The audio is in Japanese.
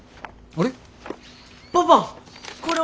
あれ？